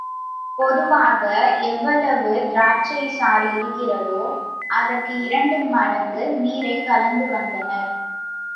பொதுவாக எவ்வளவு திராட்சைச் சாறு இருக்கிறதோ, அதற்கு இரண்டு மடங்கு நீரைக் கலந்து வந்தனர்.